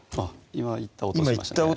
今いった音しました